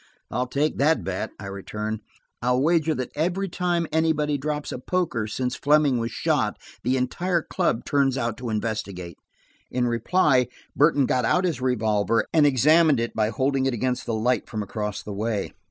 "I'll take that bet," I returned. "I'll wager that everytime anybody drops a poker, since Fleming was shot, the entire club turns out to investigate." In reply Burton got out his revolver, and examined it by holding it against the light from across the way.